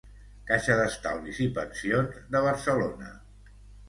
Caixa d’Estalvis i Pensions de Barcelona.